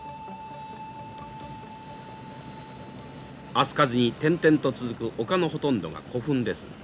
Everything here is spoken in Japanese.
明日香路に点々と続く丘のほとんどが古墳です。